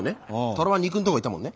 トラは肉んとこいたもんね。